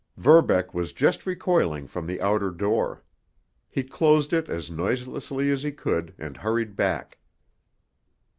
Verbeck was just recoiling from the outer door. He closed it as noiselessly as he could and hurried back.